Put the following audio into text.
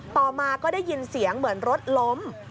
ต่อมาก็ได้ยินเสียงเหมือนรถล้ม